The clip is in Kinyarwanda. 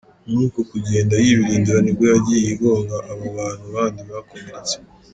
Muri uko kugenda yibirindura nibwo yagiye igonga abo bantu bandi bakomeretse.